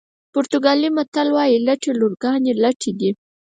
پرتګالي متل وایي لټې لورګانې لټه دي.